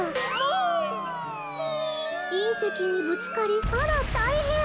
「いんせきにぶつかりあらたいへん！